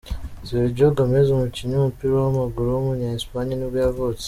Sergi Gómez, umukinnyi w’umupira w’amaguru w’umunya-Espagne nibwo yavutse.